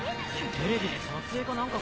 ・・テレビの撮影か何かか？